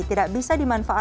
tidak bisa dimanfaatkan